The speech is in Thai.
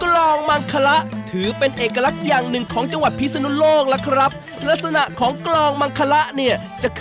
เหมือนมาอาหารโรงเรียนลูก